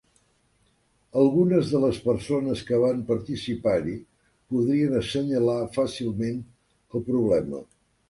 Algunes de les persones que van participar-hi podrien assenyalar fàcilment el problema